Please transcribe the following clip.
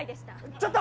ちょっと！